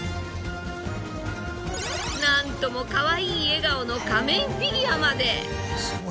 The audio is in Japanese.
なんともかわいい笑顔の仮面フィギュアまで。